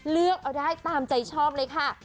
เลือกเอาได้ตามใจชอบเลยค่ะ